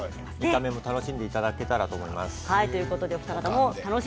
楽しんでいただけたらと思います。